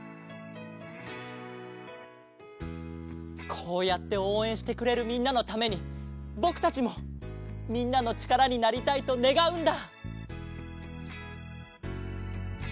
こうやっておうえんしてくれるみんなのためにぼくたちもみんなのちからになりたいとねがうんだ。